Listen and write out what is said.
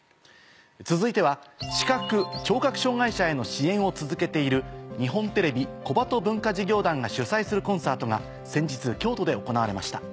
続いては視覚・聴覚障がい者への支援を続けている日本テレビ小鳩文化事業団が主催するコンサートが先日京都で行われました。